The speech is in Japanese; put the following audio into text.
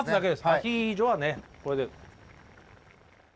アヒージョはねこれで。